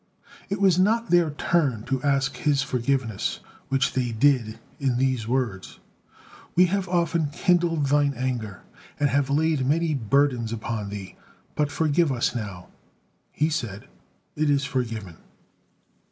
It was not their turn to ask his forgiveness, which they did in these words: "We have often kindled thine anger and have laid many burdens upon thee, but forgive us now." He said, "It is forgiven."